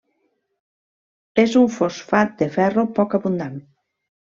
És un fosfat de ferro poc abundant.